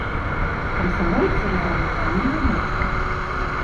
Камсамольцы рэзалюцыі не выносяць.